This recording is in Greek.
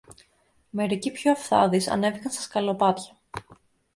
Μερικοί πιο αυθάδεις ανέβηκαν στα σκαλοπάτια